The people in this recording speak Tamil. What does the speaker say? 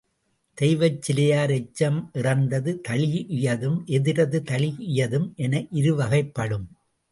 தெய்வச்சிலையார் எச்சம் இறந்தது தழீஇயதும் எதிரது தழீஇயதும் என இருவகைப்படும்.